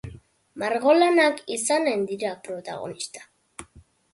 Margolanak izanen dira protagonista.